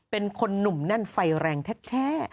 เป็นคนหนุ่มแน่นไฟแรงแท้